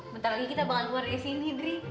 bentar lagi kita bakal keluar dari sini dri